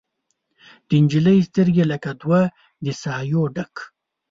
د نجلۍ سترګې لکه دوه د سايو ډک